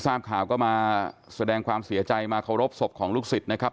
ทราบข่าวก็มาแสดงความเสียใจมาเคารพศพของลูกศิษย์นะครับ